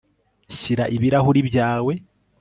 shyira ibirahuri byawe